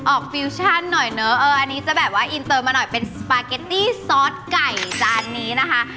ฟิวชั่นหน่อยเนอะเอออันนี้จะแบบว่าอินเตอร์มาหน่อยเป็นสปาเกตตี้ซอสไก่จานนี้นะคะ